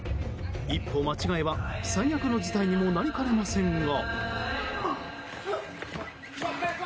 一歩間違えば最悪の事態にもなりかねませんが。